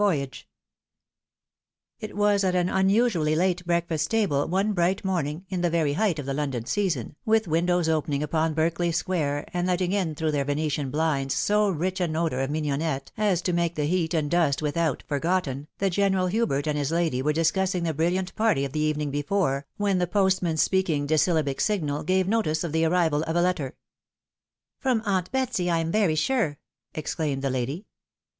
CHAPTER IV. It was at an unusually late breakfast table, one bright morn ing, in the very height of the London season, with windows opening upon Berkeley square, and letting in through their Venetian blinds so rich an odour of mignionette as to make the heat and dust without forgotten, that General Hubert and his lady were discussing the brilhant party of the evening before, when the postman's speaking dissyUabie signal gave notice of the arrival of a letter. " From aunt Betsy, I am very sure !" exclaimed the lady.